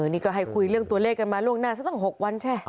นี่ก็ให้คุยเรื่องตัวเลขกันมาล่วงหน้าสักตั้ง๖วันใช่ไหม